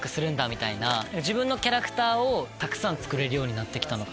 みたいな自分のキャラクターをたくさんつくれるようになってきたのかな。